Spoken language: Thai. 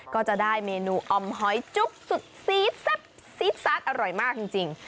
ก็จะได้เมนูออมหอยจุ๊บสุดซีดแซ่บซีดซาดอร่อยมากจริง